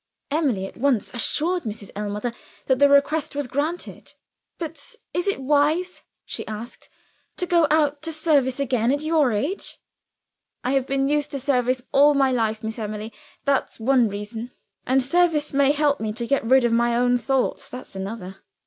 Emily at once assured Mrs. Ellmother that the request was granted. "But is it wise," she asked, "to go out to service again, at your age?" "I have been used to service all my life, Miss Emily that's one reason. And service may help me to get rid of my own thoughts that's another.